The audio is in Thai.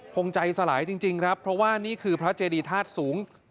คงใจสลายจริงครับเพราะว่านี่คือพระเจดีธาตุสูง